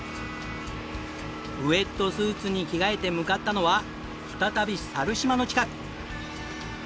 ウェットスーツに着替えて向かったのは再び猿島の近く。